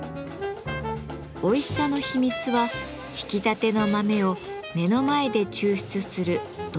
おいしさの秘密はひきたての豆を目の前で抽出する「ドリップ」の技。